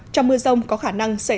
trong mưa rông có khả năng xảy ra lốc